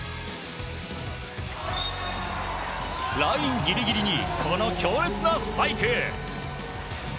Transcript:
ラインギリギリにこの強烈なスパイク！